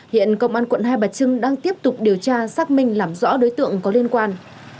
hiện công an quận hai bà trưng đang tiếp tục điều tra xác minh làm rõ đối tượng có liên quan